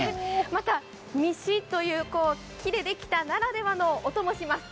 またミシッという木でできたならではの音もします。